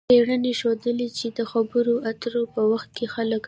څېړنو ښودلې چې د خبرو اترو پر وخت خلک